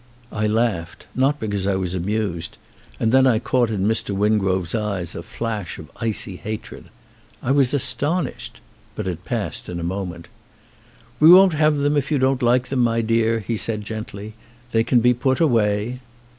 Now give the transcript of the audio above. I laughed, not because I was amused, and then I caught in Mr. Wingrove's eyes a flash of icy hatred. I was astonished. But it passed in a moment. "We won't have them if you don't like them, my dear," he said gently. "They can be put away."